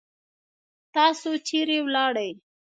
تاسو چیرې ولاړی؟